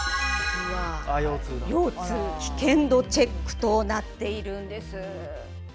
「腰痛危険度チェック」となっているんです。